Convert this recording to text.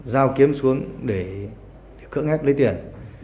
giao kiếm xuống để cưỡng hát lấy tiền